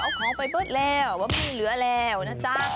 เอาของไปเบิ้ลแล้วว่าพี่เหลือแล้วนะจ๊ะ